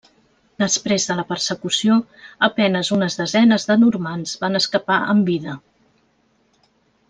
Després de la persecució, a penes unes desenes de normands van escapar amb vida.